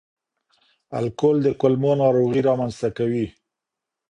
الکول د کولمو ناروغي رامنځ ته کوي.